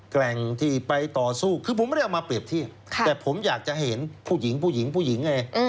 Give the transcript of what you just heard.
แกร่งที่ไปต่อสู้คือผมไม่ได้เอามาเปรียบเทียบแต่ผมอยากจะเห็นผู้หญิงผู้หญิงผู้หญิงไง